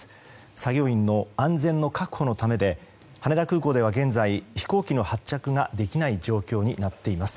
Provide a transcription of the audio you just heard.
作業員の安全確保のためで羽田空港では現在、飛行機の発着ができない状況になっています。